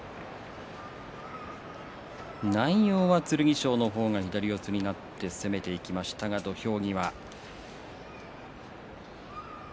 内容は剣翔の方が左四つになって攻めていきましたが土俵際。